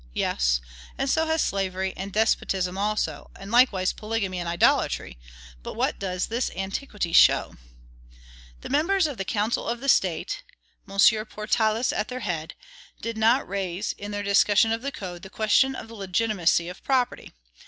Yes, and so has slavery, and despotism also; and likewise polygamy and idolatry. But what does this antiquity show? The members of the Council of the State M. Portalis at their head did not raise, in their discussion of the Code, the question of the legitimacy of property.